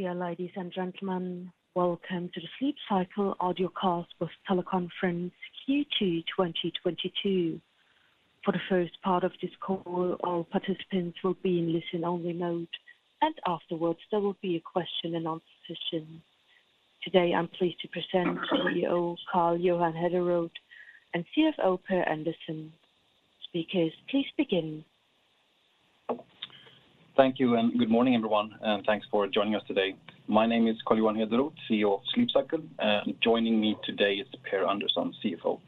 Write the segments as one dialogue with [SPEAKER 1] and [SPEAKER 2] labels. [SPEAKER 1] Dear ladies and gentlemen, welcome to the Sleep Cycle audio cast with teleconference Q2 2022. For the first part of this call, all participants will be in listen-only mode, and afterwards, there will be a question and answer session. Today, I'm pleased to present CEO Carl Johan Hederoth and CFO Per Andersson. Speakers, please begin.
[SPEAKER 2] Thank you, and good morning, everyone, and thanks for joining us today. My name is Carl Johan Hederoth, CEO of Sleep Cycle. Joining me today is Per Andersson, CFO.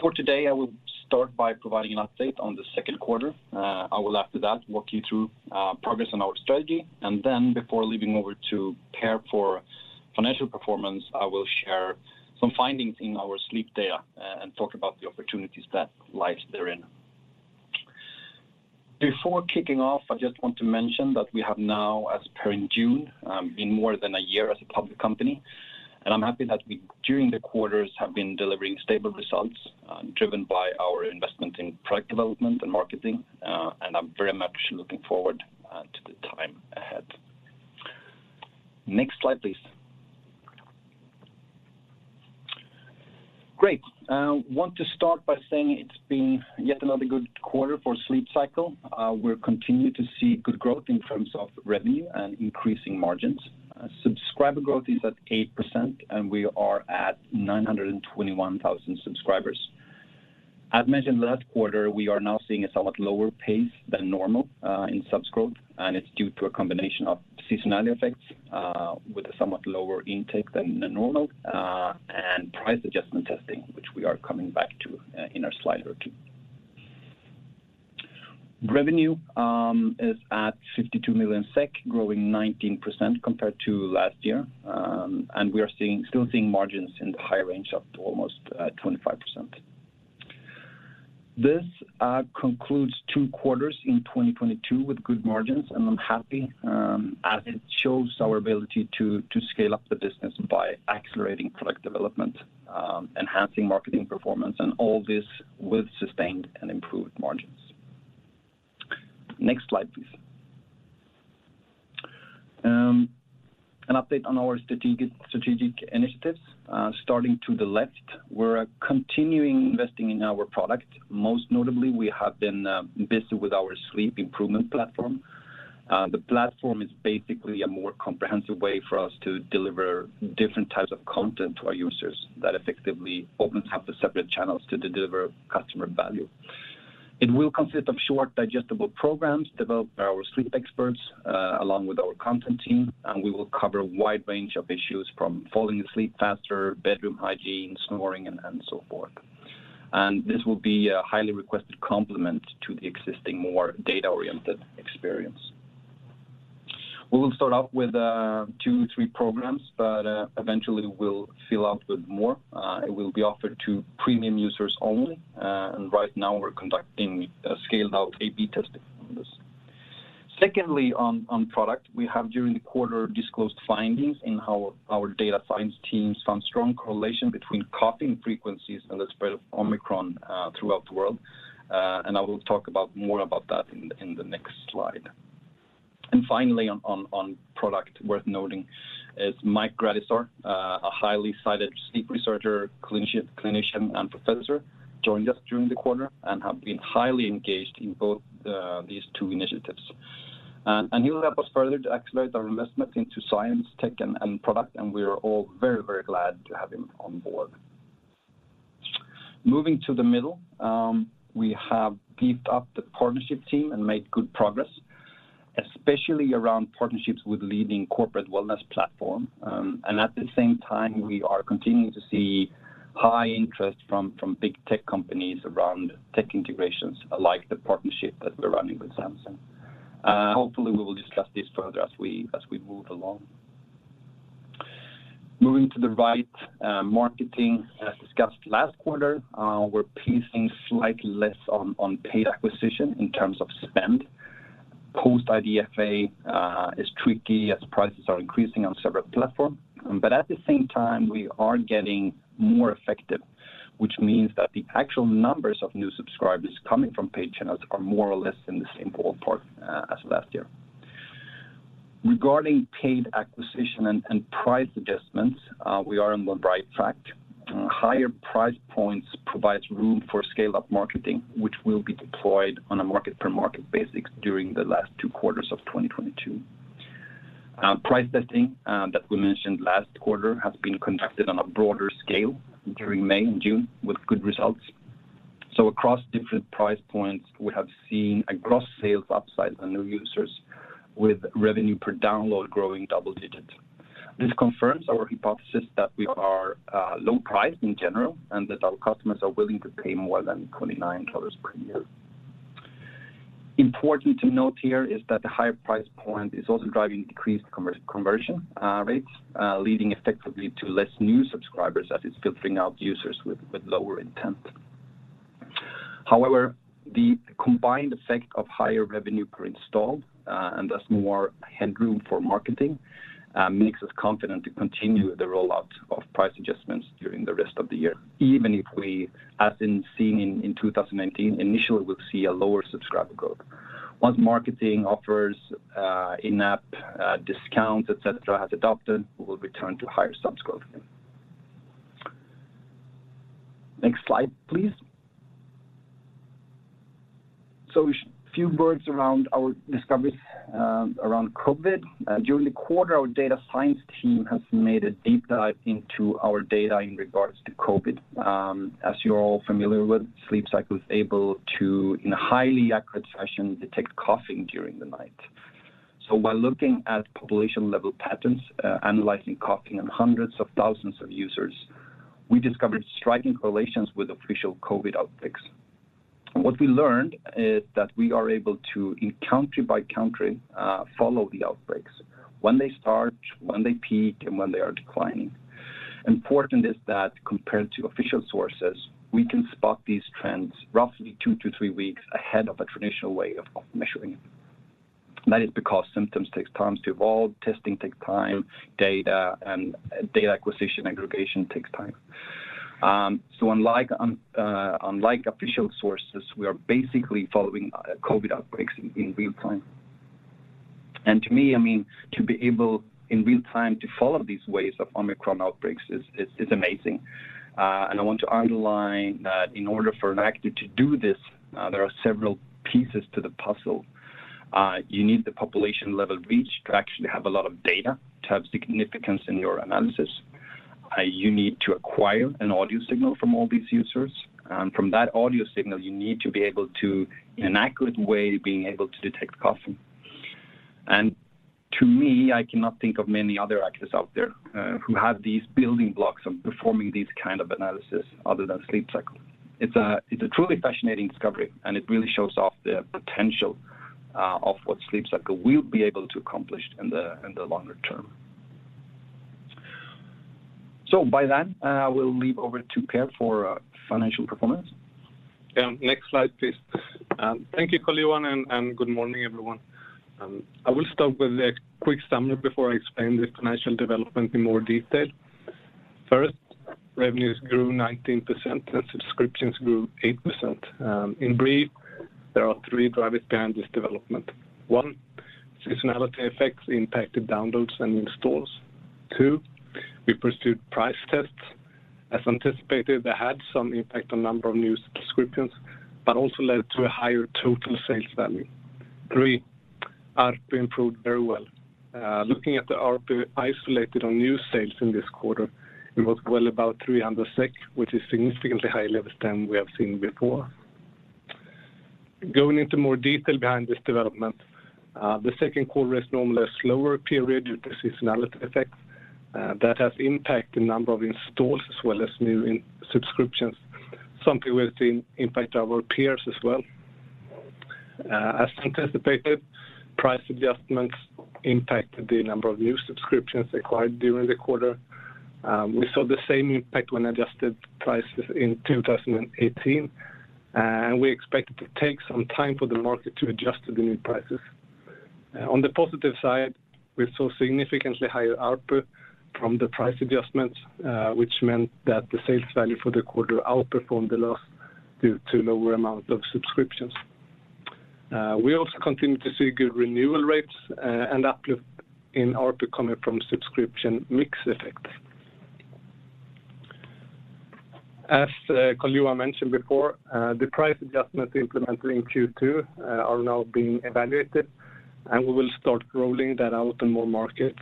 [SPEAKER 2] For today, I will start by providing an update on the second quarter. I will after that walk you through progress on our strategy. Before handing over to Per for financial performance, I will share some findings in our sleep data, and talk about the opportunities that lies therein. Before kicking off, I just want to mention that we have now, as of June, been more than a year as a public company, and I'm happy that we, during the quarters, have been delivering stable results, driven by our investment in product development and marketing, and I'm very much looking forward to the time ahead. Next slide, please. Great. I want to start by saying it's been yet another good quarter for Sleep Cycle. We're continuing to see good growth in terms of revenue and increasing margins. Subscriber growth is at 8%, and we are at 921,000 subscribers. I've mentioned last quarter, we are now seeing a somewhat lower pace than normal in subs growth, and it's due to a combination of seasonality effects with a somewhat lower intake than normal and price adjustment testing, which we are coming back to in a slide or two. Revenue is at 52 million SEK, growing 19% compared to last year. We are still seeing margins in the high range of almost 25%. This concludes two quarters in 2022 with good margins, and I'm happy as it shows our ability to scale up the business by accelerating product development, enhancing marketing performance, and all this with sustained and improved margins. Next slide, please. An update on our strategic initiatives. Starting to the left, we're continuing investing in our product. Most notably, we have been busy with our sleep improvement platform. The platform is basically a more comprehensive way for us to deliver different types of content to our users that effectively opens up the separate channels to deliver customer value. It will consist of short, digestible programs developed by our sleep experts, along with our content team, and we will cover a wide range of issues from falling asleep faster, bedroom hygiene, snoring, and so forth. This will be a highly requested complement to the existing, more data-oriented experience. We will start out with two, three programs, but eventually we'll fill up with more. It will be offered to premium users only, and right now we're conducting a scaled-out A/B testing on this. Secondly, on product, we have during the quarter disclosed findings in how our data science team found strong correlation between coughing frequencies and the spread of Omicron throughout the world. I will talk more about that in the next slide. Finally on product worth noting is Michael Gradisar, a highly cited sleep researcher, clinician, and professor, joined us during the quarter and have been highly engaged in both these two initiatives. He will help us further to accelerate our investment into science, tech and product, and we are all very, very glad to have him on board. Moving to the middle, we have beefed up the partnership team and made good progress, especially around partnerships with leading corporate wellness platforms. At the same time, we are continuing to see high interest from big tech companies around tech integrations like the partnership that we're running with Samsung. Hopefully, we will discuss this further as we move along. Moving to the right, marketing. As discussed last quarter, we're pacing slightly less on paid acquisition in terms of spend. Post-IDFA is tricky as prices are increasing on several platforms. At the same time, we are getting more effective, which means that the actual numbers of new subscribers coming from paid channels are more or less in the same ballpark as last year. Regarding paid acquisition and price adjustments, we are on the right track. Higher price points provides room for scale-up marketing, which will be deployed on a market-per-market basis during the last two quarters of 2022. Price testing that we mentioned last quarter has been conducted on a broader scale during May and June with good results. Across different price points, we have seen a gross sales upside on new users with revenue per download growing double digits. This confirms our hypothesis that we are low price in general and that our customers are willing to pay more than $29 per year. Important to note here is that the higher price point is also driving decreased conversion rates, leading effectively to less new subscribers as it's filtering out users with lower intent. However, the combined effect of higher revenue per installed and thus more headroom for marketing makes us confident to continue the rollout of price adjustments during the rest of the year, even if we, as we've seen in 2019, initially will see a lower subscriber growth. Once marketing offers, in-app discounts, et cetera, have adapted, we will return to higher subs growth again. Next slide, please. A few words around our discoveries around COVID. During the quarter, our data science team has made a deep dive into our data in regards to COVID. As you're all familiar with, Sleep Cycle was able to, in a highly accurate fashion, detect coughing during the night. While looking at population level patterns, analyzing coughing in hundreds of thousands of users, we discovered striking correlations with official COVID outbreaks. What we learned is that we are able to, in country by country, follow the outbreaks, when they start, when they peak, and when they are declining. Important is that compared to official sources, we can spot these trends roughly 2two to three weeks ahead of a traditional way of measuring. That is because symptoms takes time to evolve, testing takes time, data and data acquisition aggregation takes time. Unlike official sources, we are basically following COVID outbreaks in real time. To me, I mean, to be able in real time to follow these waves of Omicron outbreaks is amazing. I want to underline that in order for an actor to do this, there are several pieces to the puzzle. You need the population level reach to actually have a lot of data to have significance in your analysis. You need to acquire an audio signal from all these users. From that audio signal, you need to be able to, in an accurate way, being able to detect coughing. To me, I cannot think of many other actors out there, who have these building blocks of performing this kind of analysis other than Sleep Cycle. It's a truly fascinating discovery, and it really shows off the potential of what Sleep Cycle will be able to accomplish in the longer term. With that, we'll hand over to Per for financial performance.
[SPEAKER 3] Yeah. Next slide, please. Thank you, Carl Johan, and good morning, everyone. I will start with a quick summary before I explain the financial development in more detail. First, revenues grew 19% and subscriptions grew 8%. In brief, there are three drivers behind this development. One, seasonality effects impacted downloads and installs. Two, we pursued price tests. As anticipated, they had some impact on number of new subscriptions, but also led to a higher total sales value. Three, ARPU improved very well. Looking at the ARPU isolated on new sales in this quarter, it was well above 300 SEK, which is significantly higher levels than we have seen before. Going into more detail behind this development, the second quarter is normally a slower period due to seasonality effects, that has impacted the number of installs as well as new subscriptions. Something we have seen impact our peers as well. As anticipated, price adjustments impacted the number of new subscriptions acquired during the quarter. We saw the same impact when adjusted prices in 2018, and we expect it to take some time for the market to adjust to the new prices. On the positive side, we saw significantly higher ARPU from the price adjustments, which meant that the sales value for the quarter outperformed the loss due to lower amount of subscriptions. We also continue to see good renewal rates, and uplift in ARPU coming from subscription mix effects. Carl Johan mentioned before, the price adjustments implemented in Q2 are now being evaluated, and we will start rolling that out in more markets.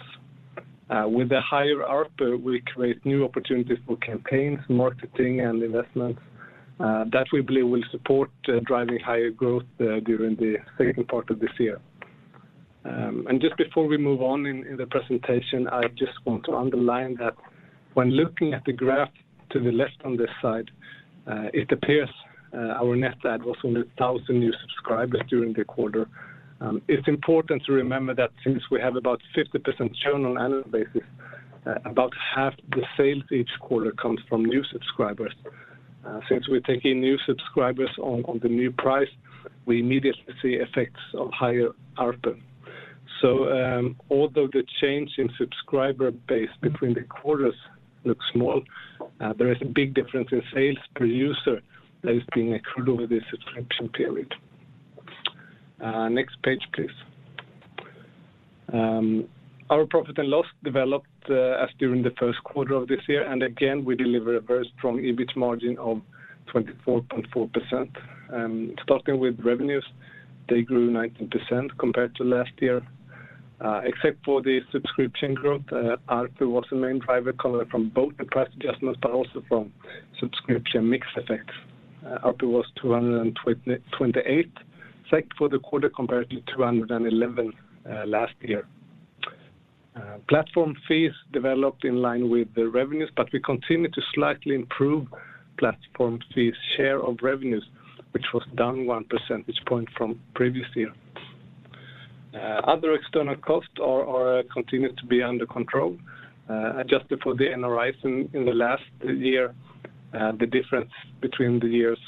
[SPEAKER 3] With the higher ARPU, we create new opportunities for campaigns, marketing and investments, that we believe will support driving higher growth, during the second part of this year. Just before we move on in the presentation, I just want to underline that when looking at the graph to the left on this side, it appears, our net add was only 1,000 new subscribers during the quarter. It's important to remember that since we have about 50% churn on annual basis, about half the sales each quarter comes from new subscribers. Since we're taking new subscribers on the new price, we immediately see effects of higher ARPU. Although the change in subscriber base between the quarters looks small, there is a big difference in sales per user that is being accrued over the subscription period. Next page, please. Our profit and loss developed as during the first quarter of this year, and again, we deliver a very strong EBIT margin of 24.4%. Starting with revenues, they grew 19% compared to last year. Except for the subscription growth, ARPU was the main driver coming from both the price adjustments but also from subscription mix effects. ARPU was 228 SEK for the quarter compared to 211 last year. Platform fees developed in line with the revenues, but we continue to slightly improve platform fees share of revenues, which was down one percentage point from previous year. Other external costs are continuing to be under control. Adjusted for the NRIs in the last year, the difference between the years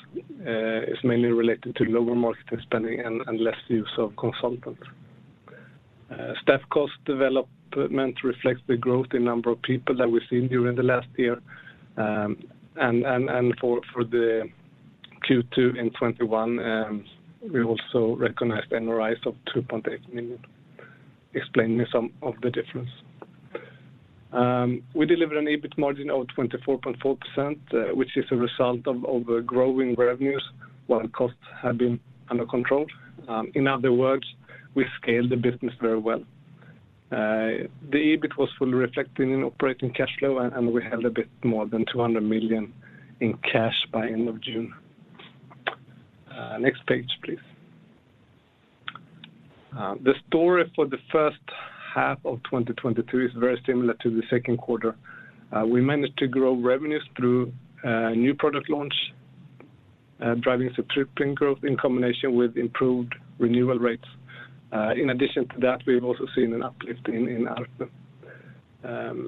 [SPEAKER 3] is mainly related to lower marketing spending and less use of consultants. Staff cost development reflects the growth in number of people that we've seen during the last year. For the Q2 2021, we also recognized NRIs of 2.8 million. That explains some of the difference. We delivered an EBIT margin of 24.4%, which is a result of growing revenues while costs have been under control. In other words, we scaled the business very well. The EBIT was fully reflected in operating cash flow, and we had a bit more than 200 million in cash by end of June. Next page, please. The story for the first half of 2022 is very similar to the second quarter. We managed to grow revenues through new product launch driving subscription growth in combination with improved renewal rates. In addition to that, we've also seen an uplift in ARPU.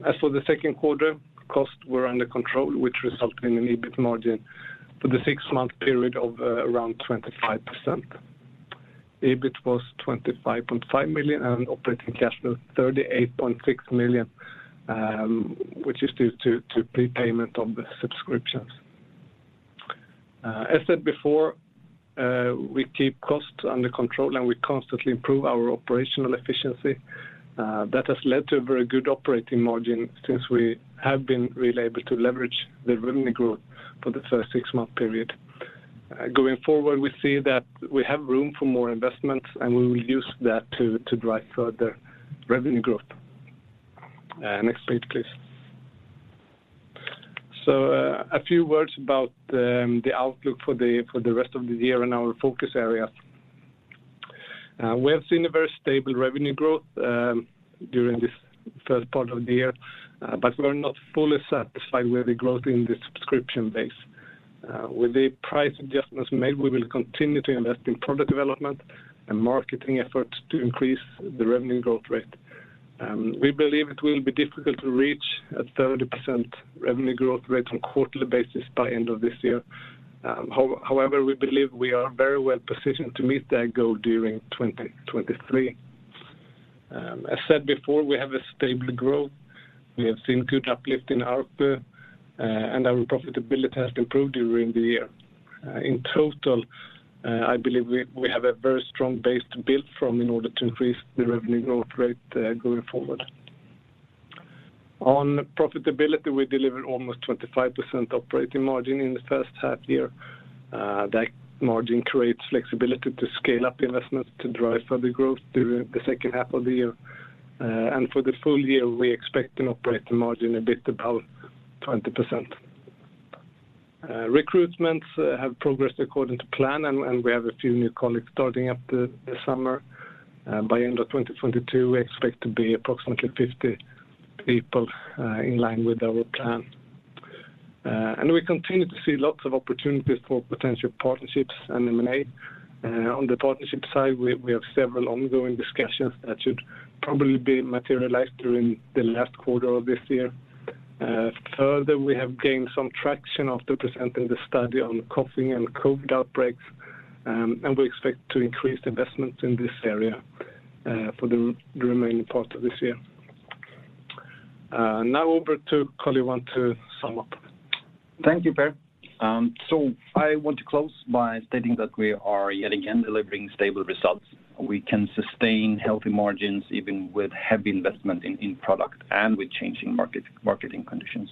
[SPEAKER 3] As for the second quarter, costs were under control, which resulted in an EBIT margin for the six-month period of around 25%. EBIT was 25.5 million and operating cash flow 38.6 million, which is due to prepayment on the subscriptions. As said before, we keep costs under control, and we constantly improve our operational efficiency. That has led to a very good operating margin since we have been really able to leverage the revenue growth for the first six-month period. Going forward, we see that we have room for more investments, and we will use that to drive further revenue growth. Next page, please. A few words about the outlook for the rest of the year and our focus areas. We have seen a very stable revenue growth during this first part of the year, but we're not fully satisfied with the growth in the subscription base. With the price adjustments made, we will continue to invest in product development and marketing efforts to increase the revenue growth rate. We believe it will be difficult to reach a 30% revenue growth rate on quarterly basis by end of this year. However, we believe we are very well positioned to meet that goal during 2023. As said before, we have a stable growth. We have seen good uplift in ARPU, and our profitability has improved during the year. In total, I believe we have a very strong base to build from in order to increase the revenue growth rate, going forward. On profitability, we delivered almost 25% operating margin in the first half year. That margin creates flexibility to scale up investments to drive further growth during the second half of the year. For the full year, we expect an operating margin a bit about 20%. Recruitments have progressed according to plan, and we have a few new colleagues starting up the summer. By end of 2022, we expect to be approximately 50 people, in line with our plan. We continue to see lots of opportunities for potential partnerships and M&A. On the partnership side, we have several ongoing discussions that should probably be materialized during the last quarter of this year. Further, we have gained some traction after presenting the study on coughing and COVID outbreaks, and we expect to increase investments in this area, for the remaining part of this year. Now over to Carl-Johan to sum up.
[SPEAKER 2] Thank you, Per. I want to close by stating that we are yet again delivering stable results. We can sustain healthy margins even with heavy investment in product and with changing market, marketing conditions.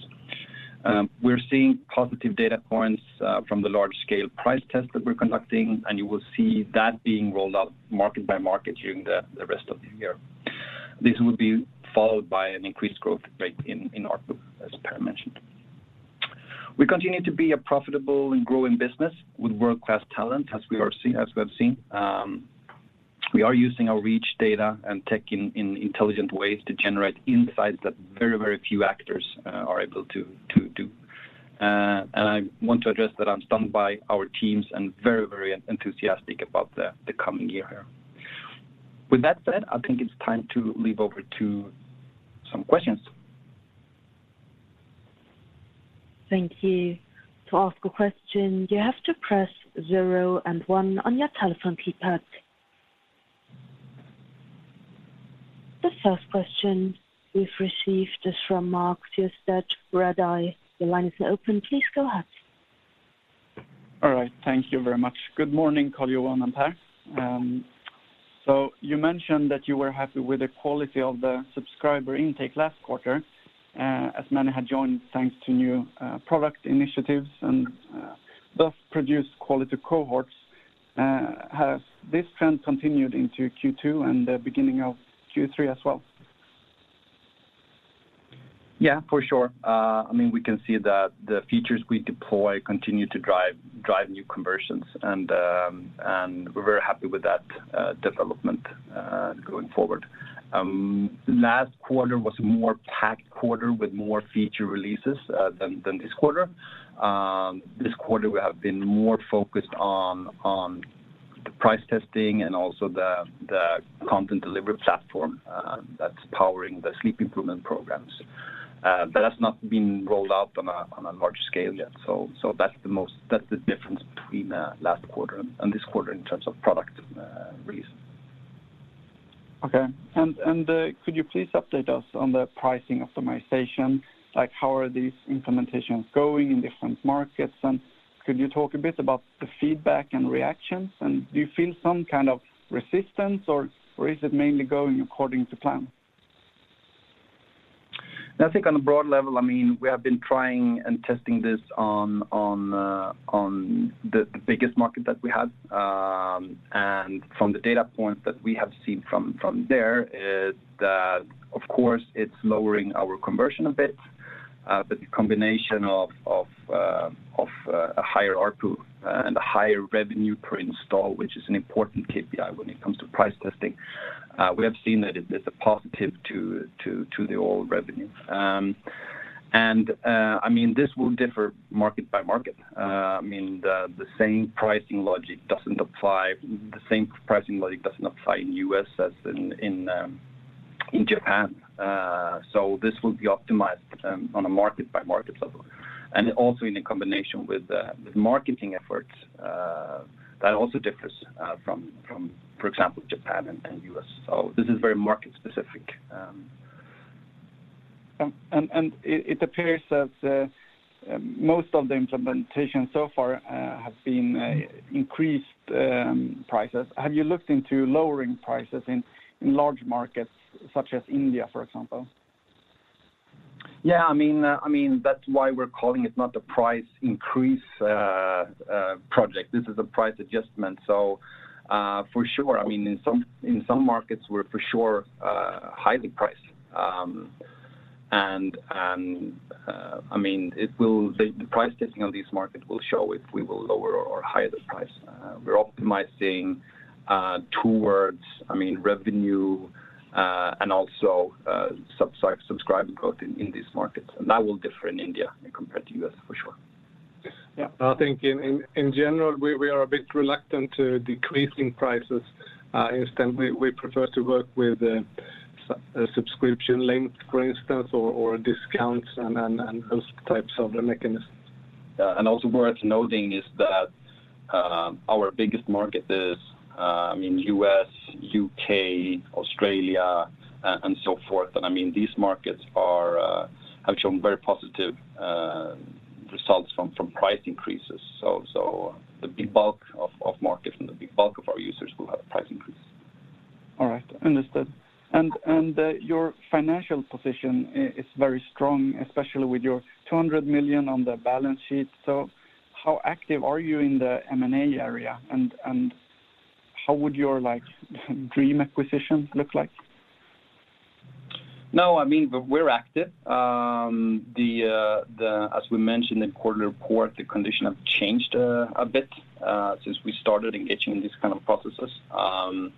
[SPEAKER 2] We're seeing positive data points from the large-scale price test that we're conducting, and you will see that being rolled out market by market during the rest of the year. This will be followed by an increased growth rate in ARPU, as Per mentioned. We continue to be a profitable and growing business with world-class talent, as we have seen. We are using our rich data and tech in intelligent ways to generate insights that very few actors are able to do. I want to address that I'm stunned by our teams and very, very enthusiastic about the coming year. With that said, I think it's time to leave over to some questions.
[SPEAKER 1] Thank you. To ask a question, you have to press zero and one on your telephone keypad. The first question we've received is from Mark Siöstedt, Redeye. The line is now open. Please go ahead.
[SPEAKER 4] All right. Thank you very much. Good morning, Carl-Johan and Per. You mentioned that you were happy with the quality of the subscriber intake last quarter, as many had joined thanks to new product initiatives and thus produced quality cohorts. Has this trend continued into Q2 and the beginning of Q3 as well?
[SPEAKER 2] Yeah, for sure. I mean, we can see that the features we deploy continue to drive new conversions, and we're very happy with that development going forward. Last quarter was a more packed quarter with more feature releases than this quarter. This quarter we have been more focused on the price testing and also the content delivery platform that's powering the sleep improvement programs. That has not been rolled out on a large scale yet. So that's the difference between last quarter and this quarter in terms of product release.
[SPEAKER 4] Okay. Could you please update us on the pricing optimization? Like, how are these implementations going in different markets? Could you talk a bit about the feedback and reactions? Do you feel some kind of resistance, or is it mainly going according to plan?
[SPEAKER 2] I think on a broad level, I mean, we have been trying and testing this on the biggest market that we have. From the data points that we have seen from there is that, of course, it's lowering our conversion a bit, but the combination of a higher ARPU and a higher revenue per install, which is an important KPI when it comes to price testing, we have seen that it's a positive to the overall revenue. I mean, this will differ market by market. I mean, the same pricing logic doesn't apply in U.S. as in Japan. This will be optimized on a market by market level. Also in a combination with marketing efforts that also differs from, for example, Japan and U.S. This is very market specific.
[SPEAKER 4] It appears that most of the implementation so far have been increased prices. Have you looked into lowering prices in large markets such as India, for example?
[SPEAKER 2] I mean, that's why we're calling it not a price increase project. This is a price adjustment. For sure, I mean, in some markets, we're for sure highly priced. I mean, the price testing on these markets will show if we will lower or higher the price. We're optimizing towards I mean, revenue and also subscriber growth in these markets. That will differ in India compared to U.S. for sure.
[SPEAKER 4] Yeah.
[SPEAKER 3] I think in general, we are a bit reluctant to decreasing prices. Instead we prefer to work with subscription length, for instance, or discounts and those types of mechanisms.
[SPEAKER 2] Also worth noting is that our biggest market is in U.S., U.K., Australia, and so forth. I mean, these markets have shown very positive results from price increases. The big bulk of markets and the big bulk of our users will have a price increase.
[SPEAKER 4] All right. Understood. Your financial position is very strong, especially with your 200 million on the balance sheet. How active are you in the M&A area and how would your, like, dream acquisition look like?
[SPEAKER 2] No, I mean, we're active. As we mentioned in quarterly report, the condition have changed a bit since we started engaging in these kind of processes. I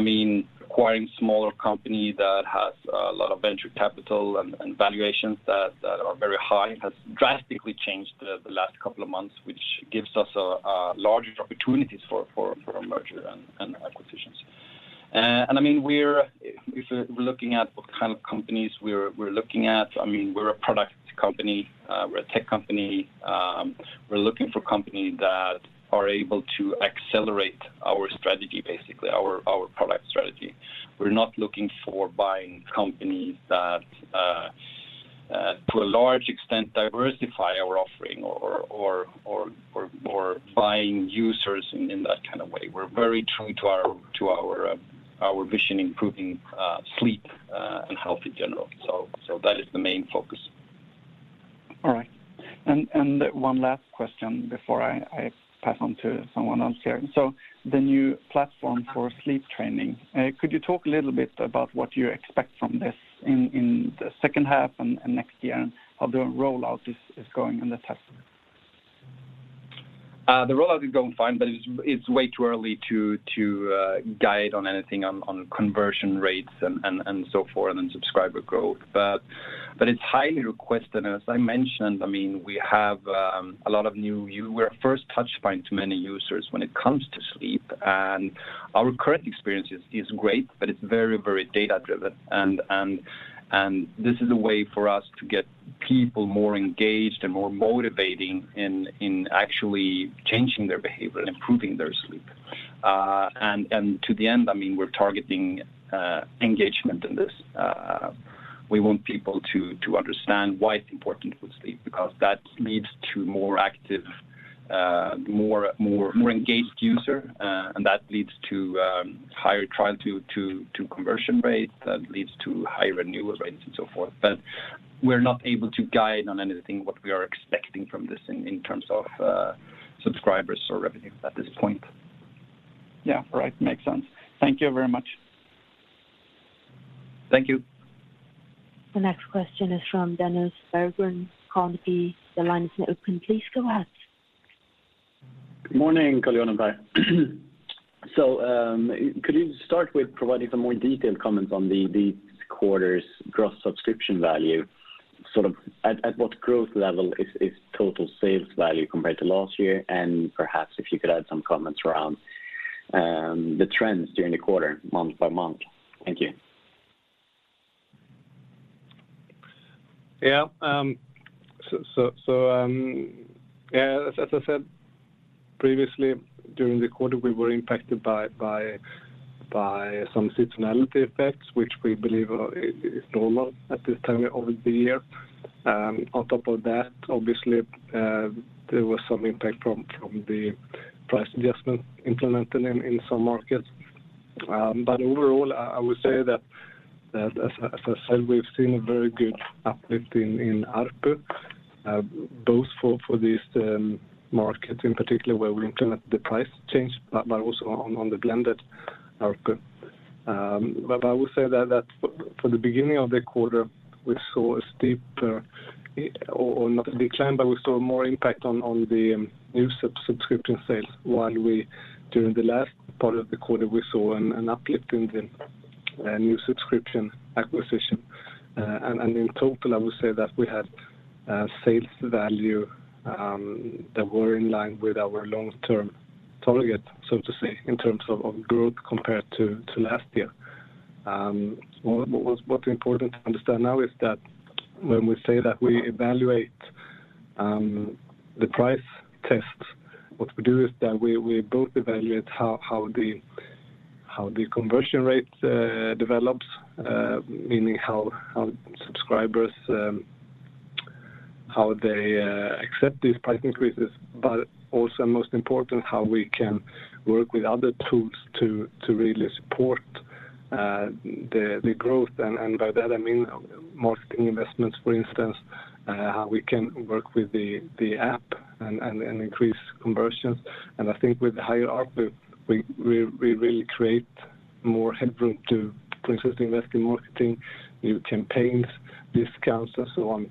[SPEAKER 2] mean, acquiring smaller company that has a lot of venture capital and valuations that are very high has drastically changed the last couple of months, which gives us large opportunities for merger and acquisitions. If we're looking at what kind of companies we're looking at, I mean, we're a product company, we're a tech company. We're looking for company that are able to accelerate our strategy, basically, our product strategy. We're not looking for buying companies that to a large extent diversify our offering or buying users in that kind of way. We're very true to our vision, improving sleep and health in general. That is the main focus.
[SPEAKER 4] All right. One last question before I pass on to someone else here. The new platform for sleep training, could you talk a little bit about what you expect from this in the second half and next year, how the rollout is going in the test?
[SPEAKER 2] The rollout is going fine, but it's way too early to guide on anything on conversion rates and so forth and subscriber growth. But it's highly requested. As I mentioned, I mean, we're a first touch point to many users when it comes to sleep. Our current experience is great, but it's very data-driven. This is a way for us to get people more engaged and more motivating in actually changing their behavior and improving their sleep. To that end, I mean, we're targeting engagement in this. We want people to understand why it's important with sleep, because that leads to more active, more engaged user, and that leads to higher trial to conversion rates, that leads to higher renewal rates and so forth. We're not able to guide on anything what we are expecting from this in terms of subscribers or revenue at this point.
[SPEAKER 4] Yeah. All right. Makes sense. Thank you very much.
[SPEAKER 2] Thank you.
[SPEAKER 1] The next question is from Dennis Berggren, Carnegie. The line is now open. Please go ahead.
[SPEAKER 5] Good morning, Carl-Johan and Per. Could you start with providing some more detailed comments on the quarter's gross subscription value, sort of at what growth level is total sales value compared to last year? Perhaps if you could add some comments around the trends during the quarter, month by month. Thank you.
[SPEAKER 3] As I said previously, during the quarter, we were impacted by some seasonality effects, which we believe is normal at this time of the year. On top of that, obviously, there was some impact from the price adjustment implemented in some markets. Overall, I would say that as I said, we've seen a very good uplift in ARPU, both for these markets in particular where we implement the price change, but also on the blended ARPU. I would say that for the beginning of the quarter, we saw not a decline, but we saw more impact on the new subscription sales, while we during the last part of the quarter saw an uplift in the new subscription acquisition. In total, I would say that we had sales value that were in line with our long-term target, so to say, in terms of growth compared to last year. What's important to understand now is that when we say that we evaluate the price test, what we do is that we both evaluate how the conversion rate develops, meaning how subscribers accept these price increases, but also most important, how we can work with other tools to really support the growth. By that, I mean marketing investments, for instance, how we can work with the app and increase conversions. I think with the higher ARPU, we really create more headroom to invest in marketing, new campaigns, discounts and so on.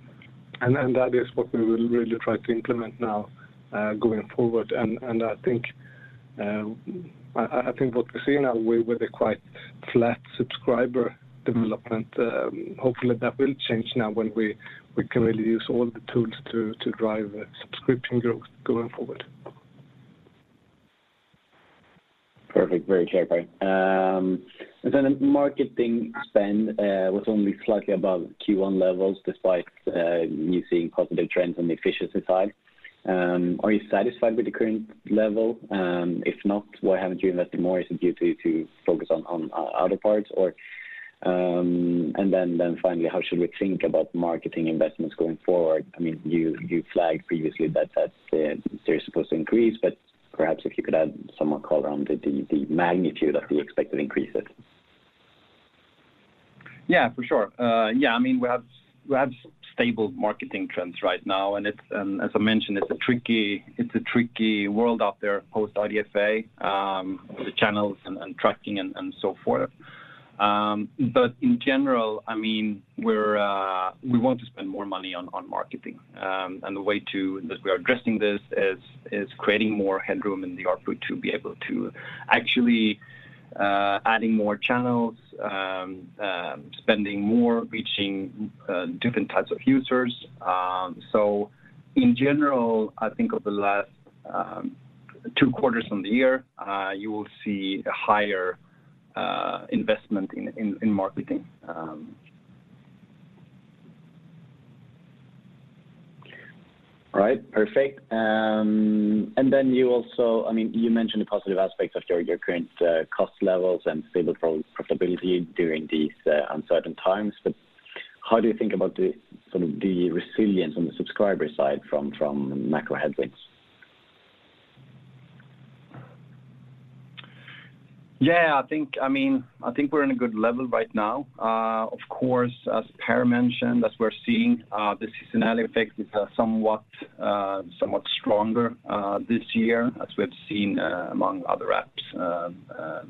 [SPEAKER 3] That is what we will really try to implement now, going forward. I think what we see now, we're with a quite flat subscriber development. Hopefully, that will change now when we can really use all the tools to drive subscription growth going forward.
[SPEAKER 5] Perfect. Very clear, Per. The marketing spend was only slightly above Q1 levels despite you seeing positive trends on the efficiency side. Are you satisfied with the current level? If not, why haven't you invested more? Is it due to focus on other parts? How should we think about marketing investments going forward? I mean, you flagged previously that they're supposed to increase, but perhaps if you could add some more color on the magnitude of the expected increases.
[SPEAKER 2] Yeah, for sure. Yeah, I mean, we have stable marketing trends right now, and as I mentioned, it's a tricky world out there post-IDFA, the channels and tracking and so forth. But in general, I mean, we want to spend more money on marketing. And that we are addressing this is creating more headroom in the ARPU to be able to actually adding more channels, spending more, reaching different types of users. In general, I think over the last two quarters from the year, you will see a higher investment in marketing.
[SPEAKER 5] All right. Perfect. You also I mean, you mentioned the positive aspects of your current cost levels and stable profitability during these uncertain times. How do you think about sort of the resilience on the subscriber side from macro headwinds?
[SPEAKER 2] Yeah, I think, I mean, I think we're in a good level right now. Of course, as Per mentioned, as we're seeing, the seasonality effect is somewhat stronger this year, as we have seen among other apps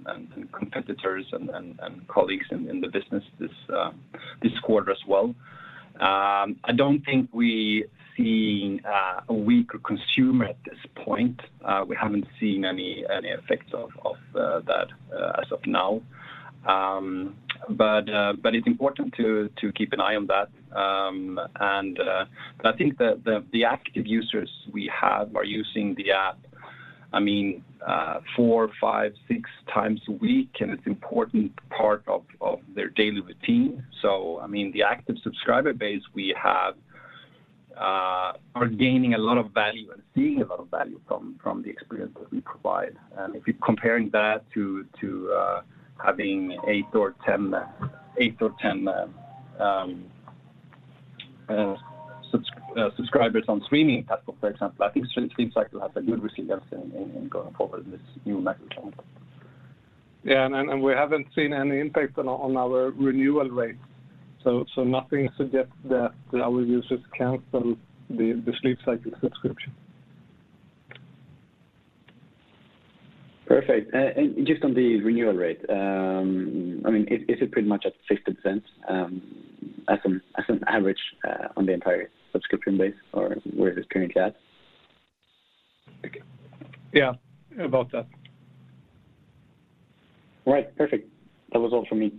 [SPEAKER 2] and competitors and colleagues in the business this quarter as well. I don't think we see a weaker consumer at this point. We haven't seen any effects of that as of now. It's important to keep an eye on that. I think the active users we have are using the app, I mean, four, five, six times a week, and it's important part of their daily routine. I mean, the active subscriber base we have are gaining a lot of value and seeing a lot of value from the experience that we provide. If you're comparing that to having eight or 10 subscribers on streaming platform, for example, I think Sleep Cycle has a good resilience in going forward in this new macro environment.
[SPEAKER 3] Yeah. We haven't seen any impact on our renewal rates. Nothing suggests that our users cancel the Sleep Cycle subscription.
[SPEAKER 5] Perfect. Just on the renewal rate, I mean, is it pretty much at 60%, as an average, on the entire subscription base or where is it currently at?
[SPEAKER 3] Yeah, about that.
[SPEAKER 5] All right. Perfect. That was all for me.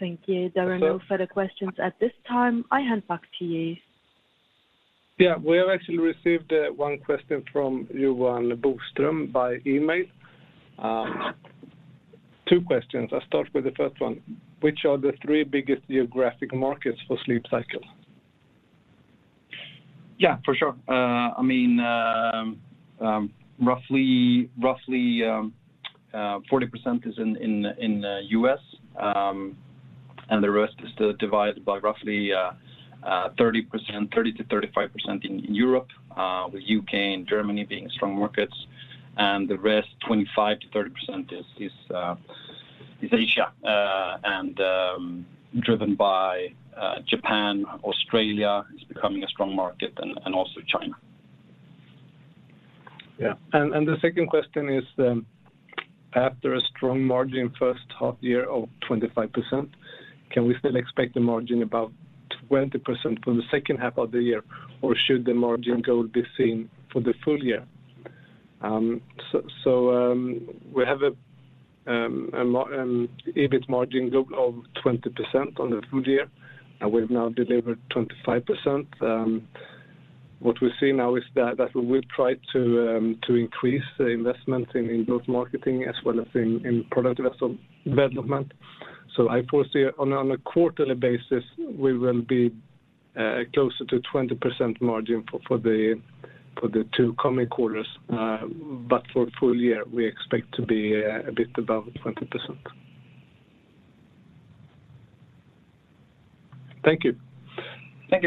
[SPEAKER 1] Thank you.
[SPEAKER 3] That's it.
[SPEAKER 1] There are no further questions at this time. I hand back to you.
[SPEAKER 3] Yeah. We have actually received one question from Johan Boström by email. Two questions. I start with the first one. Which are the three biggest geographic markets for Sleep Cycle?
[SPEAKER 2] Yeah, for sure. I mean, roughly 40% is in the U.S., and the rest is still divided roughly 30%-35% in Europe, with U.K. and Germany being strong markets, and the rest 25%-30% is Asia. Driven by Japan. Australia is becoming a strong market and also China.
[SPEAKER 3] The second question is: After a strong margin first half year of 25%, can we still expect the margin about 20% for the second half of the year, or should the margin goal be same for the full year? We have an EBIT margin goal of 20% on the full year, and we've now delivered 25%. What we see now is that we'll try to increase the investment in both marketing as well as in product development. I foresee on a quarterly basis, we will be closer to 20% margin for the two coming quarters. For full year, we expect to be a bit above 20%. Thank you.
[SPEAKER 1] Thank you.